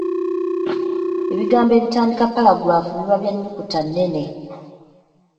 Ebigambo ebitandika ppalagulaafu biba bya nnukuta nnene.